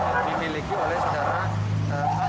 jadi ini adalah milik pemerintah daerah